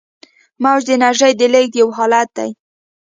موج د انرژۍ د لیږد یو حالت دی.